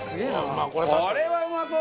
これはうまそうだよ！